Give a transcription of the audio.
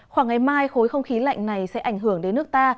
khoảng ngày mai khối không khí lạnh này sẽ ảnh hưởng đến nước ta